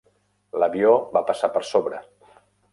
L'avió va passar per sobre.